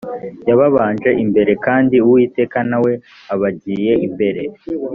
yababanje imbere kandi uwiteka na we abagiye imbere